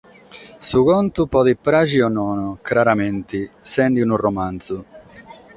Su contu, podet pràghere o nono craramente, sende unu romanzu.